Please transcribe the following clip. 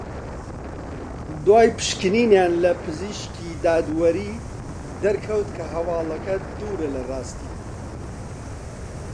دوای پشکنینیان لە پزیشکی دادوەری دەرکەوت کە هەواڵەکە دوورە لە راستی